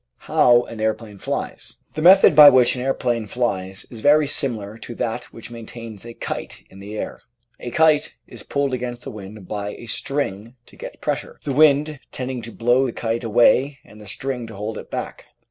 How an Aeroplane Flies The method by which an aeroplane flies is very similar to that which maintains a kite in the air. A kite is pulled against the wind by a string to get air pressure, the wind tending to blow the kite away and the string to hold it back.